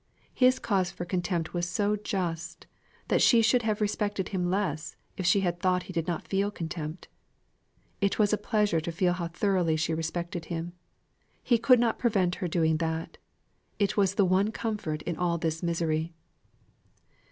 His cause for contempt was so just, that she should have respected him less if she had thought he did not feel contempt. It was a pleasure to feel how thoroughly she respected him. He could not prevent her doing that; it was the one comfort in all this misery.